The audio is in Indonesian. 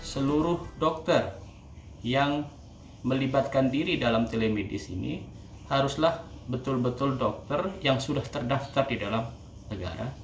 seluruh dokter yang melibatkan diri dalam telemedis ini haruslah betul betul dokter yang sudah terdaftar di dalam negara